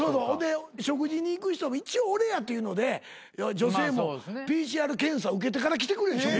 ほんで食事に行く人も一応俺やというので女性もＰＣＲ検査受けてから来てくれる。